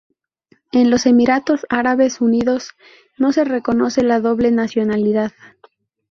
En los Emiratos Árabes Unidos no se reconoce la doble nacionalidad.